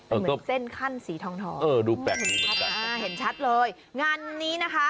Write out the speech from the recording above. เหมือนเส้นขั้นสีทองทองเห็นชัดเลยงานนี้นะคะ